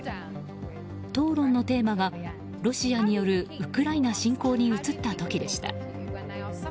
討論のテーマがロシアによるウクライナ侵攻に移った時でした。